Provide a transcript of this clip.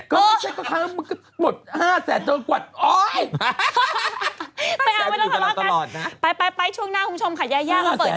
ก็ปวด๕๐๐บาทจนกวดโอ้ย